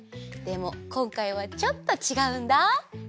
でもこんかいはちょっとちがうんだ！